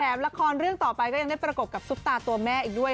ละครเรื่องต่อไปก็ยังได้ประกบกับซุปตาตัวแม่อีกด้วย